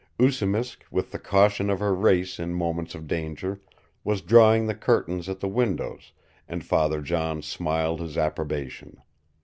Oosimisk, with the caution of her race in moments of danger, was drawing the curtains at the windows, and Father John smiled his approbation.